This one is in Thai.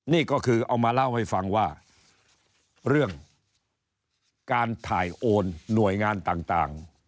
นี่ก็คือเอามาเล่าให้ฟังว่าเรื่องการถ่ายโอนหน่วยงานต่าง